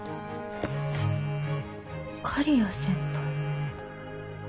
刈谷先輩。